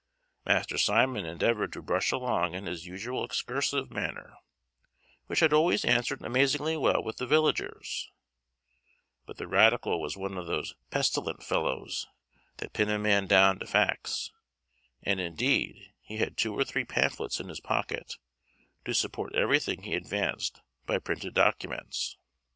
Master Simon endeavoured to brush along in his usual excursive manner, which had always answered amazingly well with the villagers; but the radical was one of those pestilent fellows that pin a man down to facts, and, indeed, he had two or three pamphlets in his pocket, to support everything he advanced by printed documents.